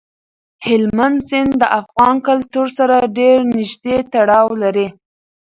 هلمند سیند د افغان کلتور سره ډېر نږدې تړاو لري.